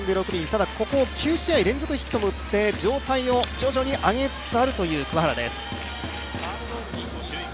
ただ、ここ９試合連続ヒットも打って、状態を徐々に上げつつあるという桑原です。